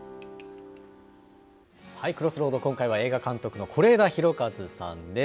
Ｃｒｏｓｓｒｏａｄ、今回は映画監督の是枝裕和さんです。